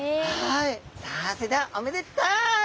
さあそれではおめでタイ！